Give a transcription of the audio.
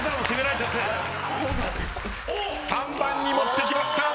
３番に持ってきました。